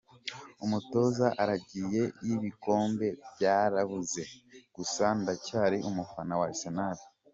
Umutoza aragiye n’ibikombe byarabuze, gusa ndacyari umufana wa Arsenal.